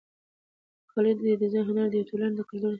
د کالیو د ډیزاین هنر د یوې ټولنې د کلتور او حجاب استازیتوب کوي.